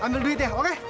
ambil duit ya oke